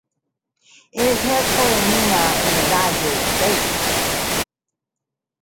It is headquartered in Minna in the Niger State.